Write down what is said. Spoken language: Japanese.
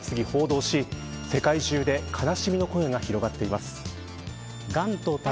海外のメディアも相次ぎ報道し世界中で悲しみの声が広がっています。